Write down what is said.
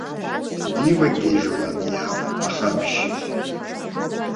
Дивагьежьуан иаб, ахабжь.